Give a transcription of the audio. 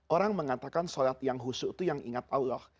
orang mengatakan sholat yang husuk itu yang ingat allah